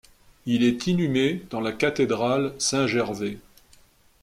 Il est inhumé dans la cathédrale Saint-Gervais.